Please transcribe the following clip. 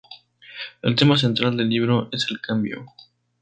El tema central del libro es el cambio.